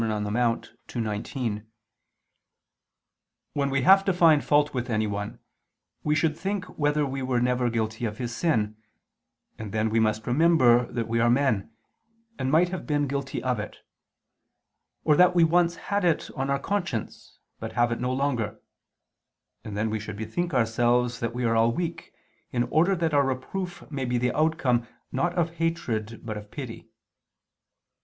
in Monte ii, 19): "When we have to find fault with anyone, we should think whether we were never guilty of his sin; and then we must remember that we are men, and might have been guilty of it; or that we once had it on our conscience, but have it no longer: and then we should bethink ourselves that we are all weak, in order that our reproof may be the outcome, not of hatred, but of pity.